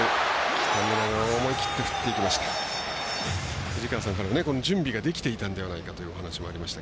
北村が思い切って振っていきました。